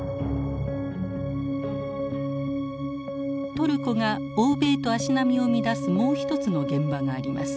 トルコが欧米と足並みを乱すもう一つの現場があります。